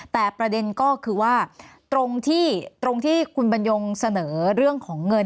แต่ประเด็นก็คือว่าตรงที่ตรงที่คุณบรรยงเสนอเรื่องของเงิน